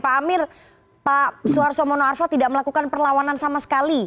pak amir pak suharto mono arfa tidak melakukan perlawanan sama sekali